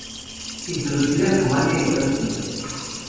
Introducida en Rumanía y Estados Unidos.